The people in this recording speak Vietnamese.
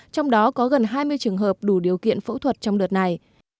trong đó có gần hai mươi trường hợp đủ điều kiện phẫu thuật trong đợt này